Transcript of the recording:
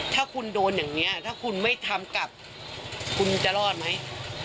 ถ้าคุณโดนอย่างนี้ถ้าคุณไม่ทำกลับคุณจะรอดไหม